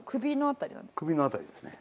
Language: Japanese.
首の辺りですね。